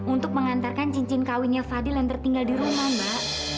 untuk mengantarkan cincin kawinnya fadil yang tertinggal di rumah mbak